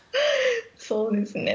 そうですね。